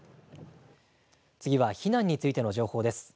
次は避難についての情報です。